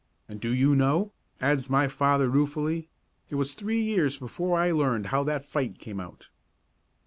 "And do you know," adds my father ruefully, "it was three years before I learned how that fight came out!"